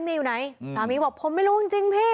มีอยู่ไหนสามีบอกผมไม่รู้จริงพี่